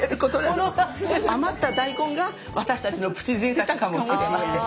余った大根が私たちの「プチぜいたく」かもしれません。